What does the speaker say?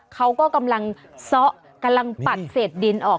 เขาก็กำลังซ้อกำลังปัดเศษดินออก